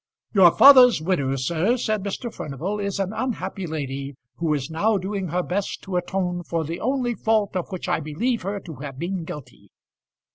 "Your father's widow, sir," said Mr. Furnival, "is an unhappy lady, who is now doing her best to atone for the only fault of which I believe her to have been guilty.